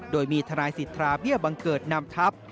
โดยมีทนายสิทธาเบี้ยบังเกิดนำทัพ